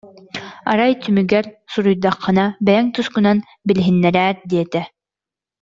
Арай түмүгэр, суруйдаххына, бэйэҥ тускунан билиһиннэрээр диэтэ